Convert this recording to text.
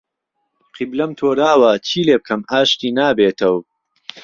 قیبلهم تۆراوه چی لێ بکهم ئاشتی نابێتهو